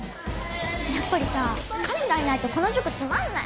やっぱりさ花恋がいないとこの塾つまんない。